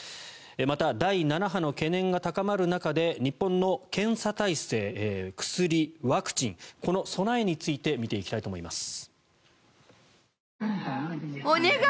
また、第７波の懸念が高まる中で日本の検査体制、薬、ワクチンこの備えについて見ていきたいと思います。